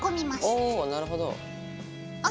おなるほど。ＯＫ！